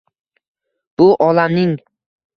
Bu olamning